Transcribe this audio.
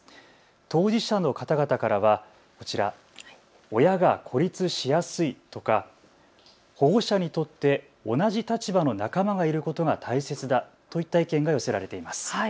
当事者の方々からはこちら親が孤立しやすいとか、保護者にとって同じ立場の仲間がいることが大切だといった意見が寄せられています。